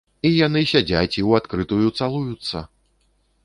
І яны сядзяць і ў адкрытую цалуюцца!